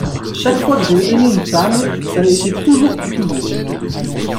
Chaque fois que j’ai aimé une femme, ç’a été toujours pour toujours !